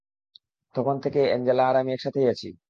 তখন থেকে অ্যাঞ্জেলা আর আমি একসাথেই আছি।